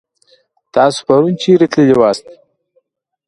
تاسو پرون چيرې تللي واست؟